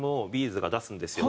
’ｚが出すんですよ。